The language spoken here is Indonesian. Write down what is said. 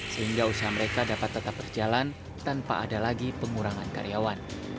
sehingga usaha mereka dapat tetap berjalan tanpa ada lagi pengurangan karyawan